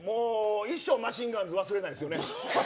一生マシンガンズ忘れないですよね。